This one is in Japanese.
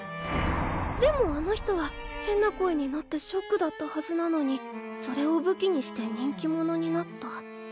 でもあの人は変な声になってショックだったはずなのにそれを武器にして人気者になった。